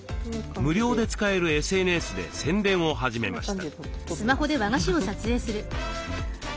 無料で使えるＳＮＳで宣伝を始めました。